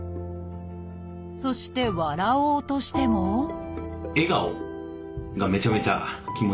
そして笑おうとしても笑顔がめちゃめちゃ気持ち悪い。